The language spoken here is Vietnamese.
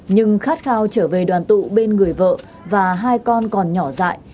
nhưng khát khao trở về đoàn tụ bên người vợ và hai con còn nhỏ dại